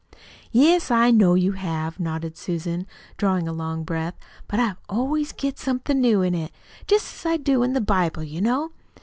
"Yes, I know you have," nodded Susan, drawing a long breath; "but I always get somethin' new in it, just as I do in the Bible, you know.